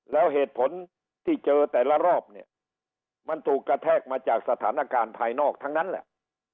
แล้วเหตุผลที่เจอแต่ละรอบเนี่ยมันถูกกระแทกมาจากสถานการณ์ภายนอกทั้งนั้นแหละ